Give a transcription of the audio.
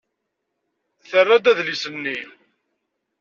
Terra-d adlis-nni.